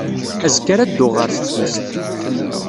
Azekka ara dduɣ ɣer teftist.